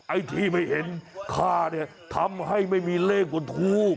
ไอ้ที่ไม่เห็นค่าเนี่ยทำให้ไม่มีเลขบนทู